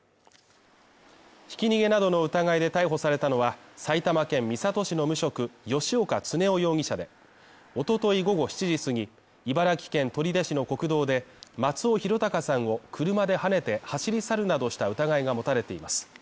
ひき逃げなどの疑いで逮捕されたのは、埼玉県三郷市の無職・吉岡恒夫容疑者で、おととい午後７時すぎ、茨城県取手市の国道で、松尾啓生さんを車ではねて走り去るなどした疑いが持たれています。